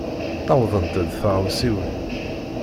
Ttawḍent-d tɣawsiwin.